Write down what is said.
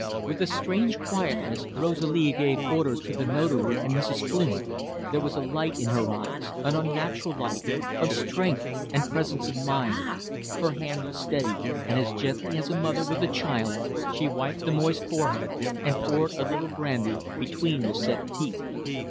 With a strange quietness Rosalie gave orders to the Notary and Mrs. Flynn. There was a light in her eyes an unnatural light of strength and presence of mind. Her hand was steady, and as gently as a mother with a child she wiped the moist forehead, and poured a little brandy between the set teeth.